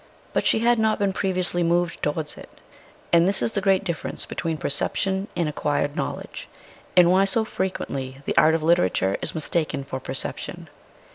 But she had not been previously moved towards it ; that is the great difference between percep tion and acquired knowledge, and why so frequently the art of literature is mistaken for perception.